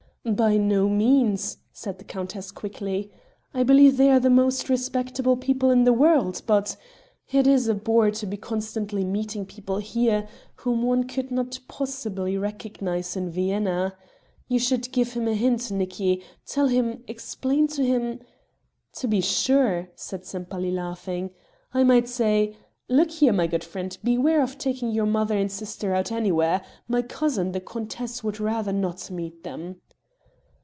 "By no means," said the countess quickly. "I believe they are the most respectable people in the world, but it is a bore to be constantly meeting people here whom one could not possibly recognize in Vienna. You should give him a hint, Nicki tell him explain to him...." "To be sure," said Sempaly laughing, "I might say: Look here, my good friend, beware of taking your mother and sister out anywhere; my cousin the countess would rather not meet them."